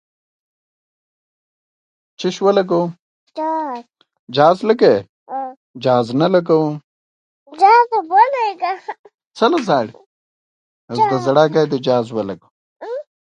همغه هډوکى بېرته خپلې راوتلې څنډې خوري.